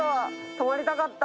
泊まりたかった。